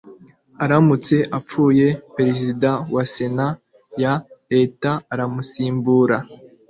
aramutse apfuye perezida wa sena ya leta aramusimbura